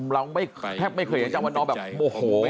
เราแทบไม่เคยได้ยินอาจารย์วันนอร์แบบโมโห